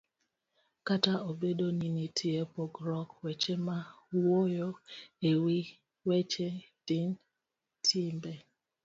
Kata obedo ni nitie pogruokgo, weche ma wuoyo e wi weche din, timbe